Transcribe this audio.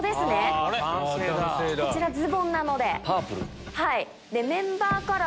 こちらズボンなので。